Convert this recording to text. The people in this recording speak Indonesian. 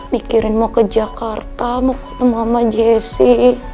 mikirin mau ke jakarta mau ketemu ama jessy